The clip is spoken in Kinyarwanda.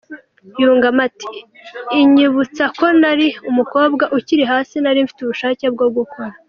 Yungamo ati “Inyibutsa ko nari umukobwa ukiri hasi nari mfite ubushake bwo gukora.